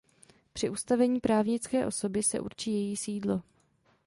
Při ustavení právnické osoby se určí její sídlo.